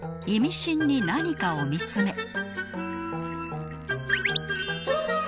イミシンに何かを見つめ。